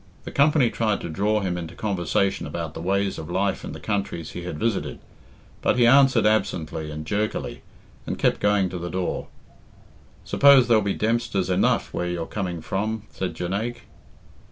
The company tried to draw him into conversation about the ways of life in the countries he had visited, but he answered absently and jerkily, and kept going to the door. "Suppose there'll be Dempsters enough where you're coming from?" said Jonaique.